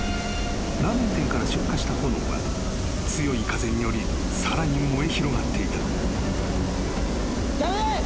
［ラーメン店から出火した炎は強い風によりさらに燃え広がっていた］